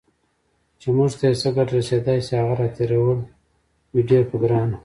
چې موږ ته یې څه ګټه رسېدای شي، هغه راتېرول وي ډیر په ګرانه